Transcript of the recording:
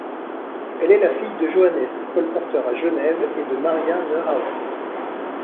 Elle est la fille de Johannes, colporteur à Genève et de Maria Neuhaus.